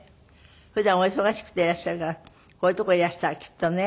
普段お忙しくていらっしゃるからこういう所いらしたらきっとね。